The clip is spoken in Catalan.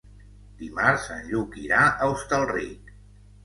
Dimarts en Lluc irà a Hostalric.